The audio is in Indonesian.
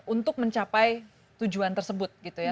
untuk mencapai tujuan tersebut gitu ya